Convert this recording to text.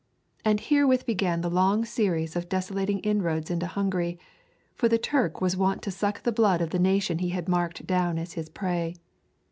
And herewith began the long series of desolating inroads into Hungary, for the Turk was wont to suck the blood of the nation he had marked down as his prey.